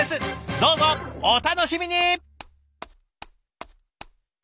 どうぞお楽しみに！